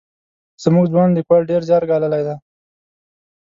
زموږ ځوان لیکوال ډېر زیار ګاللی دی.